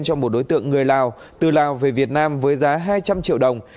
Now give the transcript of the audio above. cho một đối tượng người lào từ lào về việt nam với giá hai trăm linh triệu đồng